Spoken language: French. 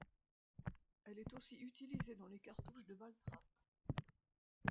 Elle est aussi utilisée dans les cartouches de ball-trap.